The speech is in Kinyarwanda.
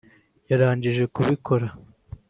yarangije kubikora